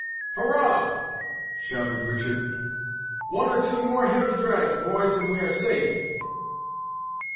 "Hurrah!" shouted Richard: "one or two more heavy drags, boys, and we are safe."